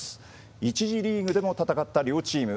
１次リーグでも戦った両チーム。